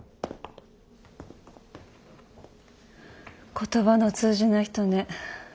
言葉の通じない人ね。